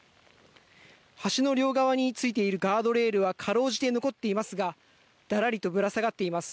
橋の両側についているガードレールはかろうじて残っていますがだらりとぶら下がっています。